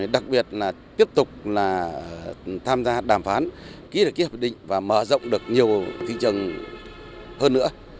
đặc biệt là tiếp tục là tham gia đàm phán ký được ký hợp định và mở rộng được nhiều thị trường hơn nữa